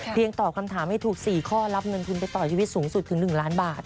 ตอบคำถามให้ถูก๔ข้อรับเงินทุนไปต่อชีวิตสูงสุดถึง๑ล้านบาท